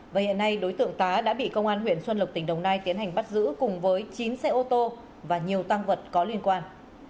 và hiện nay đối tượng tá đã bị công an huyện xuân lộc tỉnh đồng nai tiến hành bắt giữ cùng với chín xe ô tô và nhiều tăng vật có liên quan